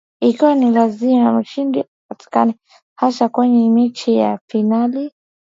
Ikiwa ni lazima mshindi apatikane hasa kwenye mechi za finali